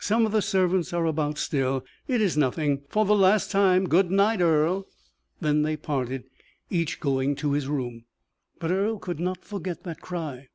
"Some of the servants are about still. It is nothing. For the last time, good night, Earle." Then they parted, each going to his room; but Earle could not forget that cry.